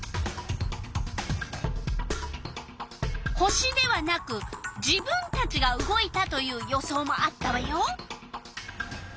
星ではなく自分たちが動いたという予想もあったわよ。